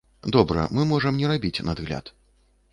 Добра, мы можам не рабіць надгляд.